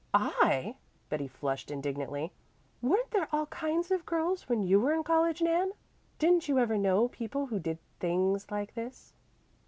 "I!" Betty flushed indignantly. "Weren't there all kinds of girls when you were in college, Nan? Didn't you ever know people who did 'things like this'?"